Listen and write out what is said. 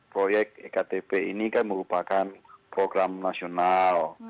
proyek ektp ini kan merupakan program nasional